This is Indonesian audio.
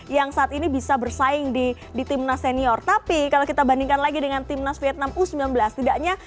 yang saat ini bisa bersaing di timnas senior tapi kalau kita bandingkan lagi dengan timnas vietnam u sembilan belas tidaknya